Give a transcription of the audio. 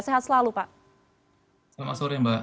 sehat selalu pak selamat sore mbak